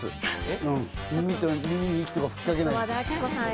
耳に息とか吹きかけないです。